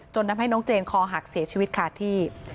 ทำให้น้องเจนคอหักเสียชีวิตขาดที่